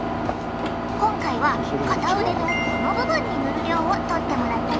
今回は片腕のこの部分に塗る量を取ってもらったよ。